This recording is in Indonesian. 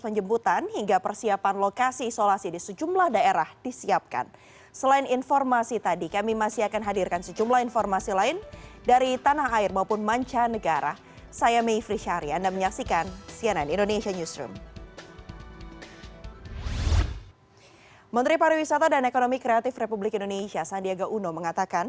menteri pariwisata dan ekonomi kreatif republik indonesia sandiaga uno mengatakan